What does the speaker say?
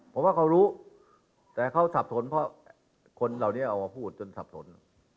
ผมว่าเขารู้แต่เขาสับสนเพราะคนเหล่านี้เอามาพูดจนสับสน